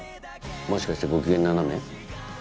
もしかしてご機嫌斜め？